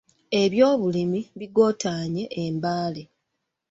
Ebyobulimi bigootaanye e Mbale.